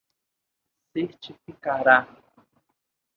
certificará